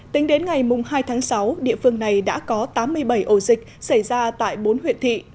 tính đến ngày hai tháng sáu địa phương này đã có tám mươi bảy ổ dịch xảy ra tại bốn huyện thị